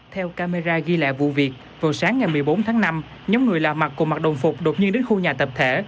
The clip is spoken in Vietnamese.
theo camera ghi lại vụ việc vào sáng ngày một mươi bốn tháng năm nhóm người lạ mặt cùng mặc đồng phục đột nhiên đến khu nhà tập thể